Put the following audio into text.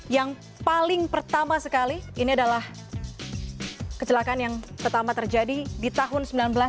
yang paling pertama sekali ini adalah kecelakaan yang pertama terjadi di tahun seribu sembilan ratus sembilan puluh